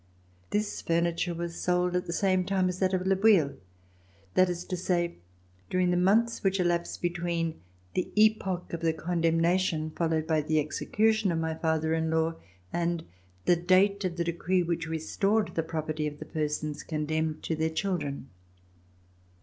This furniture was sold at the same time as that of Le Bouilh, that is to say during the months which elapsed between the epoch of the condemna tion, followed by the execution of my father in law, and the date of the decree which restored the property of the persons condemned to their children.